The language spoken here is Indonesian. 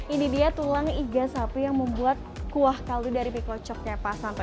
ini dia tulang iga sapi yang membuat kuah kaldu dari mie kocok ke pasanto